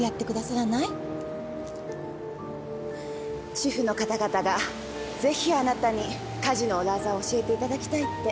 主婦の方々がぜひあなたに家事の裏技を教えて頂きたいって。